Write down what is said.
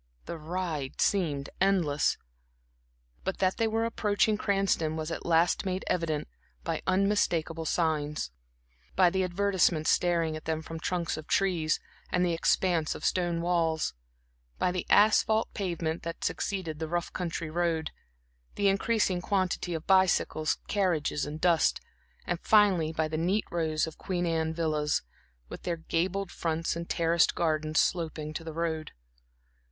The ride seemed endless, but that they were approaching Cranston was at last made evident by unmistakable signs; by the advertisements staring at them from trunks of trees and the expanse of stone walls; by the asphalt pavement that succeeded the rough country road, the increasing quantity of bicycles, carriages and dust; and finally by the neat rows of Queen Anne villas, with their gabled fronts and terraced gardens sloping to the road.